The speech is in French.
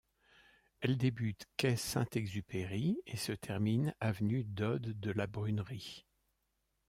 Elle débute quai Saint-Exupéry et se termine avenue Dode-de-la-Brunerie.